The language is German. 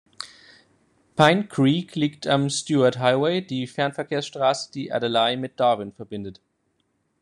Pine Creek liegt am Stuart Highway, die Fernverkehrsstraße die Adelaide mit Darwin verbindet.